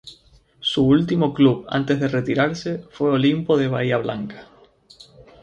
Su último club antes de retirarse fue Olimpo de Bahía Blanca.